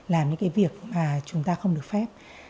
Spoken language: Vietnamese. làm những cái việc mà chúng ta không được phép